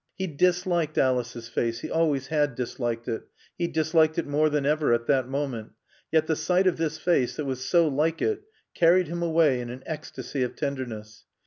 He disliked Alice's face, he always had disliked it, he disliked it more than ever at that moment; yet the sight of this face that was so like it carried him away in an ecstasy of tenderness.